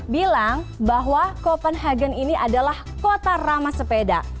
bilang bahwa copenhagen ini adalah kota ramah sepeda